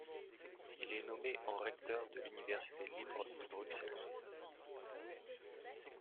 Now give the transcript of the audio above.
Il est nommé en recteur de l'université libre de Bruxelles.